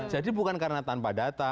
jadi bukan karena tanpa data